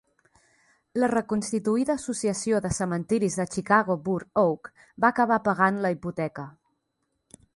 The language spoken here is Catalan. La reconstituïda Associació de cementiris de Chicago Burr Oak va acabar pagant la hipoteca.